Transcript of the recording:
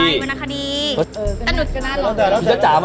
ีสะดาว